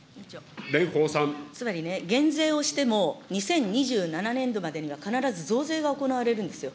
つまりね、減税をしても２０２７年度までには必ず増税が行われるんですよ。